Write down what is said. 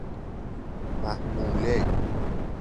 محموله